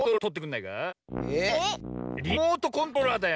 いやリモートコントローラーだよ。